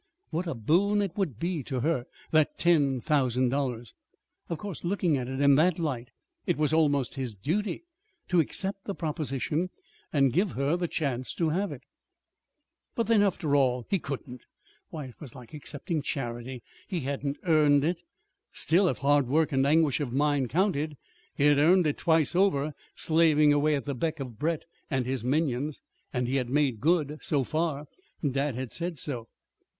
What a boon it would be to her that ten thousand dollars! Of course, looking at it in that light, it was almost his duty to accept the proposition, and give her the chance to have it. But then, after all, he couldn't. Why, it was like accepting charity; he hadn't earned it. Still, if hard work and anguish of mind counted, he had earned it twice over, slaving away at the beck of Brett and his minions. And he had made good so far. Dad had said so.